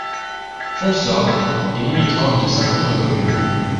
Fonsorbes est limitrophe de cinq autres communes.